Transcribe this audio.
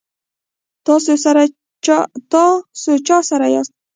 تاسو چا سره یاست؟